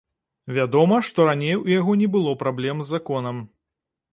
Вядома, што раней у яго не было праблем з законам.